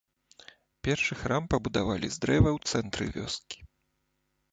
Першы храм пабудавалі з дрэва ў цэнтры вёскі.